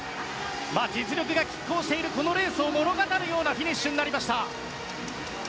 実力が拮抗しているこのレースを物語るようなフィニッシュになりました。